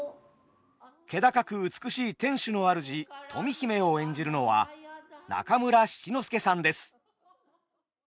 気高く美しい天守の主富姫を演じるのは中村七之助さんです。